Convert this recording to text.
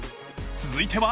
続いては］